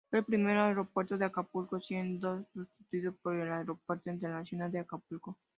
Fue el primer aeropuerto de Acapulco, siendo sustituido por el Aeropuerto Internacional de Acapulco.